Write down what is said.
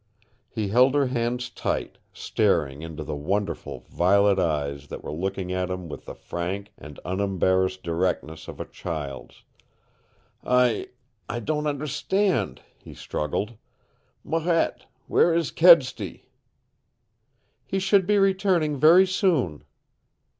He held her hands tight, staring into the wonderful, violet eyes that were looking at him with the frank and unembarrassed directness of a child's. "I I don't understand," he struggled. "Marette, where is Kedsty?" "He should be returning very soon."